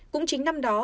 cũng chính năm đó